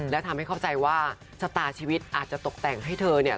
และทำให้เข้าใจว่าชะตาชีวิตอาจจะตกแต่งให้เธอเนี่ย